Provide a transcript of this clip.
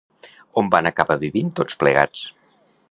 On van acabar vivint tots plegats?